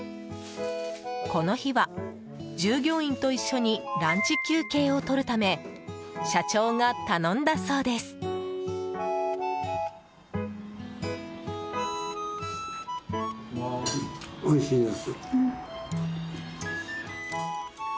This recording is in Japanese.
この日は従業員と一緒にランチ休憩をとるため社長が頼んだそうです。